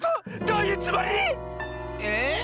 ⁉どういうつもり⁉えっ？